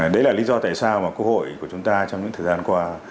đấy là lý do tại sao mà quốc hội của chúng ta trong những thời gian qua